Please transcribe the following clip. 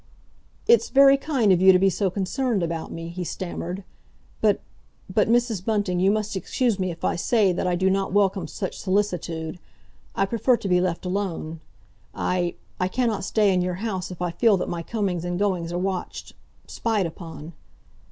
"It's very kind of you to be so concerned about me," he stammered, "but—but, Mrs. Bunting, you must excuse me if I say that I do not welcome such solicitude. I prefer to be left alone. I—I cannot stay in your house if I feel that my comings and goings are watched—spied upon."